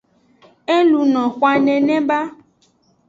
E luno xwan nene ba.